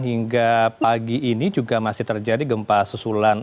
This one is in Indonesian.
hingga pagi ini juga masih terjadi gempa susulan